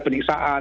tidak boleh ada